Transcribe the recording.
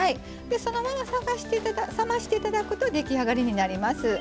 そのまま冷まして頂くと出来上がりになります。